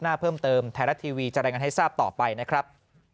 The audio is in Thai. หน้าเพิ่มเติมไทยรัฐทีวีจะรายงานให้ทราบต่อไปนะครับ